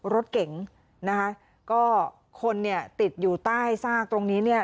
รถเก๋งนะคะก็คนเนี่ยติดอยู่ใต้ซากตรงนี้เนี่ย